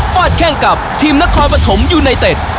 ฟาดแข้งกับทีมนครปฐมยูไนเต็ด